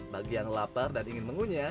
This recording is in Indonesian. bagi yang lapar dan ingin mengunyah